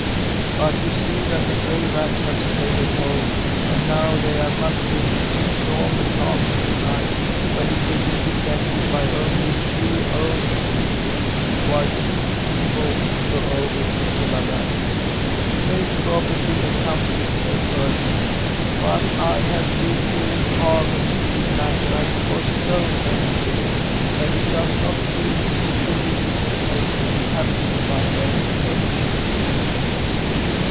But you see that the gray rats have stayed at home; and now they are mustering to storm the castle to night, when it will be defended by only a few old creatures who are too feeble to go over to Kullaberg. They'll probably accomplish their purpose. But I have lived here in harmony with the black rats for so many years, that it does not please me to live in a place inhabited by their enemies."